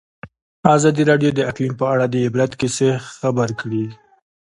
ازادي راډیو د اقلیم په اړه د عبرت کیسې خبر کړي.